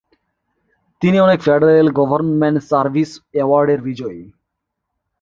তিনি অনেক federal government service অ্যাওয়ার্ডের বিজয়ী।